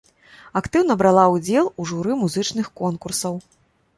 Актыўна брала ўдзел у журы музычных конкурсаў.